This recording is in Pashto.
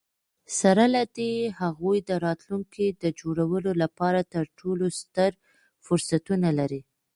سره له دي، هغوی د راتلونکي د جوړولو لپاره تر ټولو ستر فرصتونه لري.